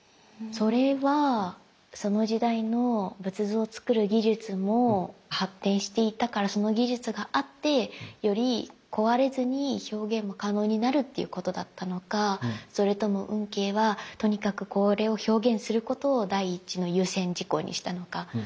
それはその時代の仏像をつくる技術も発展していたからその技術があってより壊れずに表現も可能になるということだったのかそれとも運慶はとにかくこれを表現することを第一の優先事項にしたのかどっちですか？